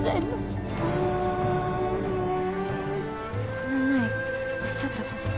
この前おっしゃったこと。